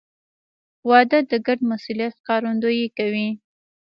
• واده د ګډ مسؤلیت ښکارندویي کوي.